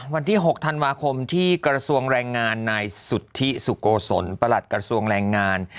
วันที่๖ธันวาคมที่กระทรวงแรงงานนายสุธิสุโกศลประหลัดกระทรวงแรงงาน